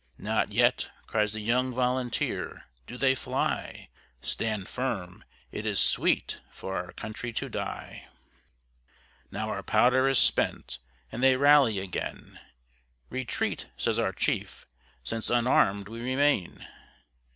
"Not yet," cries the young volunteer, "do they fly! Stand firm! it is sweet for our country to die!" Now our powder is spent, and they rally again; "Retreat!" says our chief, "since unarmed we remain!"